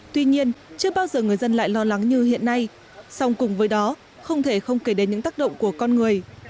tuy nhiên chưa bao giờ người dân lại lo lắng như hiện nay song cùng với đó không thể không kể đến những tác động của con người